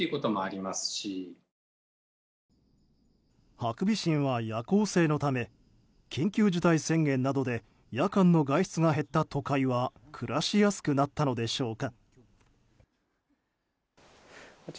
ハクビシンは夜行性のため緊急事態宣言などで夜間の外出が減った都会は暮らしやすくなったのでしょうか。